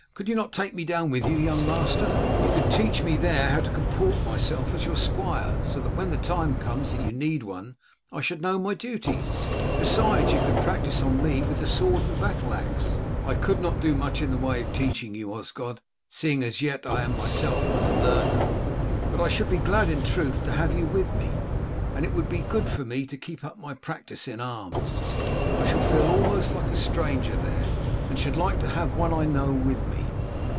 "Could you not take me down with you, young master? You could teach me there how to comport myself as your squire, so that when the time comes that you need one, I should know my duties. Besides, you could practise on me with sword and battle axe." "I could not do much in the way of teaching you, Osgod, seeing as yet I am myself but a learner, but I should be glad, in truth, to have you with me, and it would be good for me to keep up my practice in arms. I shall feel almost like a stranger there, and should like to have one I know with me.